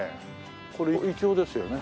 これイチョウですよね？